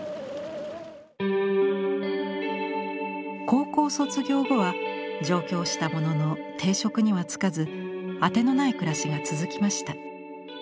高校を卒業後は上京したものの定職には就かず当てのない暮らしが続きました。